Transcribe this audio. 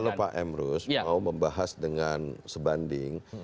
kalau pak emrus mau membahas dengan sebanding